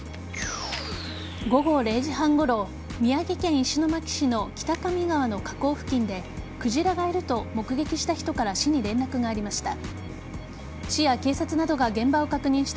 午後０時半ごろ宮城県石巻市の北上川の河口付近でクジラがいると目撃した人から市に連絡がありました。